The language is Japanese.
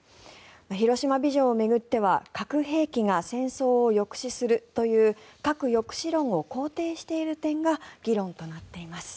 広島ビジョンを巡っては核兵器が戦争を抑止するという核抑止論を肯定している点が議論となっています。